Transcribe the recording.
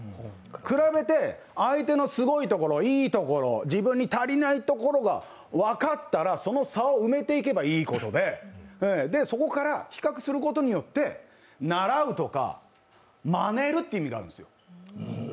比べて、相手のすごいところ、いいところ、自分に足りないところが分かったらその差を埋めていけばいいことで、そこから比較することによって習うとか、まねるという意味があるんですよ。